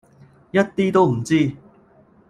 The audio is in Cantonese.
一啲都唔知